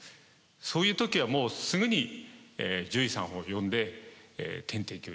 そういう時はもうすぐに獣医さんを呼んで点滴をいたします。